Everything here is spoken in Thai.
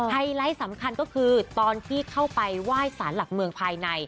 ไฮไลท์สำคัญก็คือตอนที่เข้าไปไหว้สารหลักเมืองภายใน